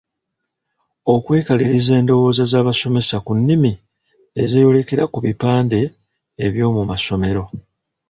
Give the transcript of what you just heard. Okwekkaliriza endowooza z'abasomesa ku nnimi ezeeyolekera ku bipande eby'omu masomero.